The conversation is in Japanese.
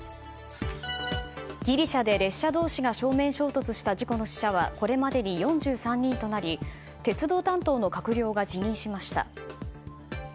ギリシャで列車同士が正面衝突した事故の死者はこれまでに４３人となり鉄道担当の閣僚が辞任しました。